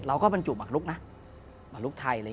ที่ผ่านมาที่มันถูกบอกว่าเป็นกีฬาพื้นบ้านเนี่ย